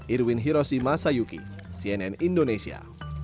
irwin hiroshi masayuki cnn indonesia